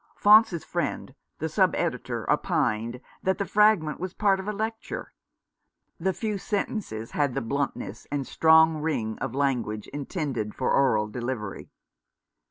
Faunce's friend the sub editor opined that the fragment was part of a lecture — the few sentences had the bluntness and strong ring of language intended for oral delivery.